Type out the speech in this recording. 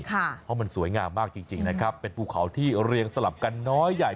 เพราะมันสวยงามมากจริงนะครับเป็นภูเขาที่เรียงสลับกันน้อยใหญ่